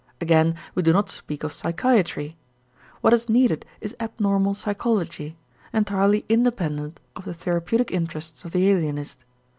Again we do not speak of psychiatry. What is needed is abnormal psychology, entirely independent of the therapeutic interests of the alienist.